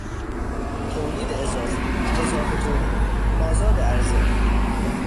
تولید اضافی، اضافه تولید، مازاد عرضه